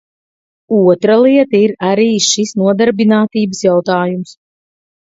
Otra lieta ir arī šis nodarbinātības jautājums.